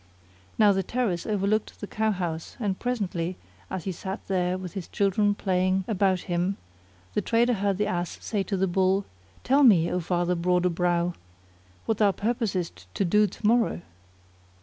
Now the ter race overlooked the cowhouse and presently, as he sat there with his children playing about him, the trader heard the Ass say to the Bull, "Tell me, O Father Broad o' Brow, what thou purposest to do to morrow?"